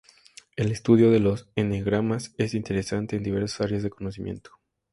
El estudio de los n-gramas es interesante en diversas áreas del conocimiento.